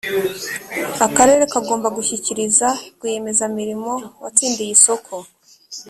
akarere kagomba gushyikiriza rwiyemezamirimo watsindiye isoko